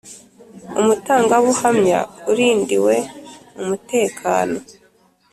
umutangabuhamya urindiwe umutekano